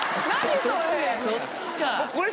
そっちか。